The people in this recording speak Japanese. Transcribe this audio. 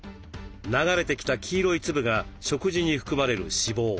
流れてきた黄色い粒が食事に含まれる脂肪。